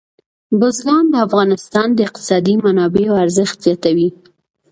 بزګان د افغانستان د اقتصادي منابعو ارزښت زیاتوي.